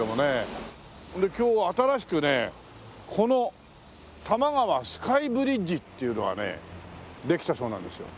で今日は新しくねこの多摩川スカイブリッジっていうのがねできたそうなんですよ。